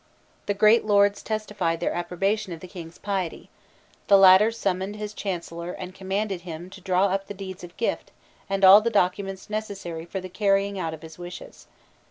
The great lords testified their approbation of the king's piety; the latter summoned his chancellor and commanded him to draw up the deeds of gift and all the documents necessary for the carrying out of his wishes.